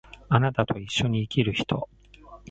貴方と一緒に生きる人